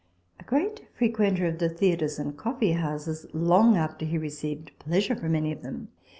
A great frequenter of the theatres and coffee houses, long after he received pleasure from any of them.